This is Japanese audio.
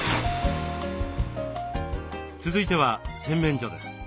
続いては洗面所です。